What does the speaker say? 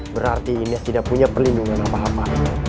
berarti indeks tidak punya perlindungan apa apa